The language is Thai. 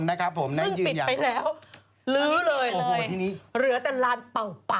ซึ่งปิดไปแล้วลื้อเลยลื้อแต่ลานเป่า